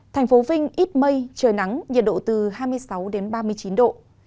thành phố vinh ít mây trời nắng nhiệt độ từ hai mươi sáu đến ba mươi chín độ